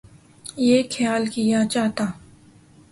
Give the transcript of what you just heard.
یہ خیال کیا جاتا